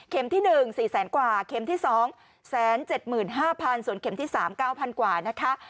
ที่๑๔แสนกว่าเข็มที่๒๗๕๐๐๐ส่วนเข็มที่๓๙๐๐กว่านะคะ